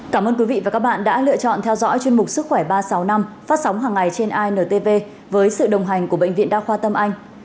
cảm ơn quý vị và các bạn đã lựa chọn theo dõi chuyên mục sức khỏe ba trăm sáu mươi năm phát sóng hàng ngày trên intv với sự đồng hành của bệnh viện đa khoa tâm anh